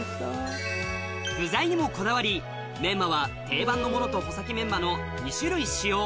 具材にもこだわりメンマは定番のものと穂先メンマの２種類使用